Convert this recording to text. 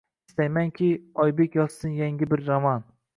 Istaymanki, Oybek yozsin yangi bir roman